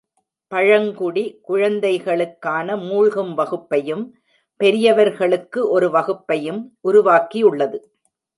பழங்குடி குழந்தைகளுக்கான மூழ்கும் வகுப்பையும் பெரியவர்களுக்கு ஒரு வகுப்பையும் உருவாக்கியுள்ளது.